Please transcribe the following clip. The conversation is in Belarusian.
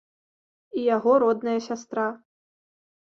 І яго родная сястра.